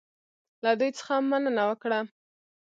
له دوی څخه مننه وکړه.